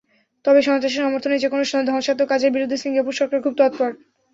তবে সন্ত্রাসের সমর্থনে যেকোনো ধ্বংসাত্মক কাজের বিরুদ্ধে সিঙ্গাপুর সরকার খুব তৎপর।